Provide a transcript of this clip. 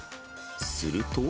すると。